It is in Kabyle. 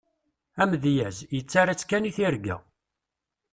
Amedyaz, yettarra-tt kan i tirga.